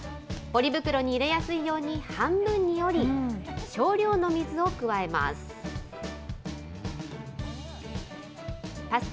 ポリ袋に入れやすいように、半分に折り、少量の水を加えます。